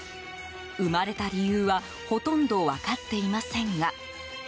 生まれた理由はほとんど分かっていませんが。